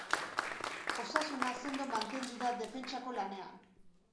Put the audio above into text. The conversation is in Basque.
Osasuna sendo mantendu da defentsako lanean.